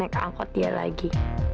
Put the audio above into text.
apa yang berarti